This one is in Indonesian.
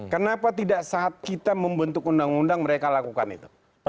kenapa tidak saat kita membentuk undang undang mereka lakukan itu